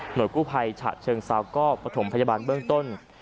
หน่วยกู้ภัยฉะเชิงซาวก็ปฐมพยาบาลเบื้องต้น